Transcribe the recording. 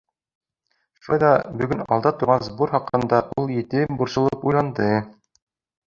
Шулай ҙа бөгөн алда торған сбор хаҡында ул етди борсолоп уйланды.